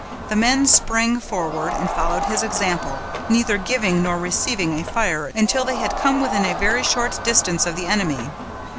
The men sprang forward, and followed his example, neither giving nor receiving a fire until they had come within a very short distance of the enemy.